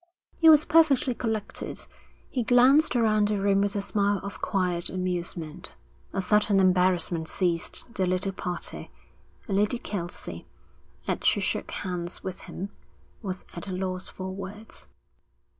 He was perfectly collected. He glanced around the room with a smile of quiet amusement. A certain embarrassment seized the little party, and Lady Kelsey, as she shook hands with him, was at a loss for words.